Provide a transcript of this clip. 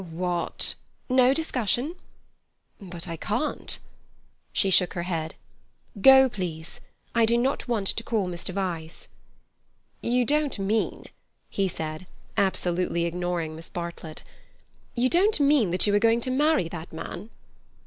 "What—" "No discussion." "But I can't—" She shook her head. "Go, please. I do not want to call in Mr. Vyse." "You don't mean," he said, absolutely ignoring Miss Bartlett—"you don't mean that you are going to marry that man?"